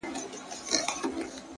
لاسونه مي د خوږ زړه و پرهار ته ور وړم’